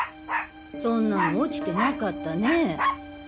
そんなの落ちてなかったねぇ。